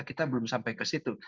kita belum sampai ke situ